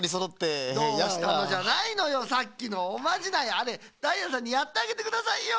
あれダイヤさんにやってあげてくださいよ。